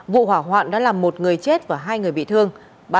vụ hỏa hoạn đã làm một người chết và hai người bị thương